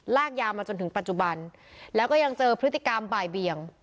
ลากยาวมาจนถึงปัจจุบันแล้วก็ยังเจอพฤติกรรมบ่ายเบียง